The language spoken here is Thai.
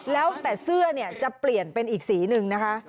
แล้วแต่เสื้อจะเปลี่ยนเป็นอีกสีหนึ่งนะคะ